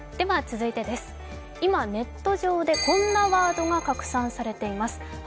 続いて、今、ネット上でこんなワードが拡散されています。